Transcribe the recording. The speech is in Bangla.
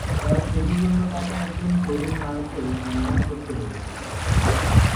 তার ছবির জন্য তাকে একজন তরুণ নায়কের সন্ধান করতে হয়েছিল।